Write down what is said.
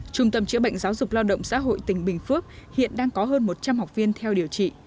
trung tâm chữa bệnh giáo dục lao động xã hội tỉnh bình phước hiện đang có hơn một trăm linh học viên theo điều trị